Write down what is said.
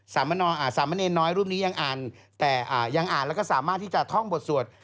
สามเณรน้อยรูปนี้ยังอ่านแต่ยังอ่านแล้วก็สามารถที่จะท่องบทสวด